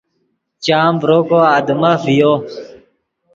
چام ڤرو کو آدمف ڤیو